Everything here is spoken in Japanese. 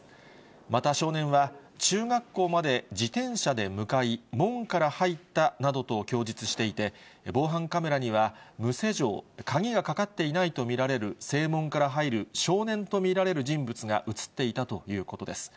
また、少年は中学校まで自転車で向かい、門から入ったなどと供述していて、防犯カメラには、無施錠、鍵がかかっていないと見られる正門から入る少年と見られる人物が写っていたということです。